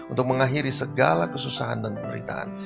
untuk mengakhiri segala kesusahan dan penderitaan